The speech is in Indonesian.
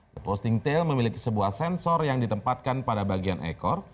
the posting tail memiliki sebuah sensor yang ditempatkan pada bagian ekor